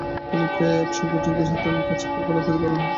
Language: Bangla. তিনি প্রায় একশোটির বেশি থাংকা চিত্রকলা তৈরী করান।